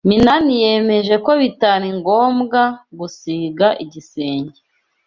Minani yemeje ko bitari ngombwa gusiga igisenge.